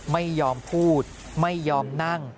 ไม่ยอมพูดไม่ยอมนั่ง